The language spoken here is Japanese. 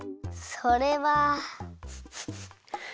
それは。